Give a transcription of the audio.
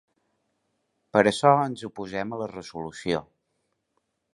Per això ens oposem la resolució.